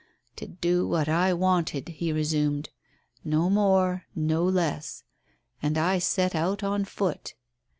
" to do what I wanted," he resumed. "No more no less; and I set out on foot."